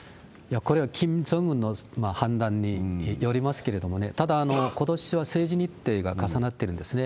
これはキム・ジョンウンの判断によりますけれどもね、ただ、ことしは政治日程が重なってるんですね。